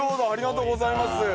ありがとうございます。